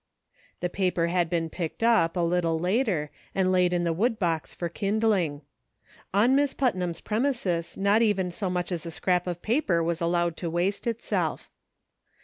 The paper had been picked up, a little later, and laid in the wood box for kindling. On Miss Putnam's premises not even so much as a scrap of paper was allowed to waste itself.